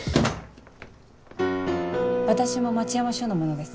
私も町山署の者です。